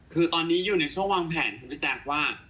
คือตอนนี้อยู่ในช่วงวางแผนคือพี่แจ๊คว่า